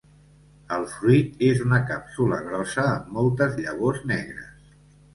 El fruit és una càpsula grossa amb moltes llavors negres.